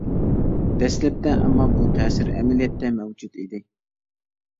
دەسلەپتە، ئەمما بۇ تەسىر ئەمەلىيەتتە مەۋجۇت ئىدى.